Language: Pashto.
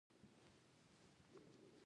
زه تاسو سره خبرې کوم.